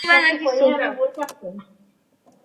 মাঝে মাঝে কারও সুরে মধুর রস লেগেছে–কেনই বা লাগবে না?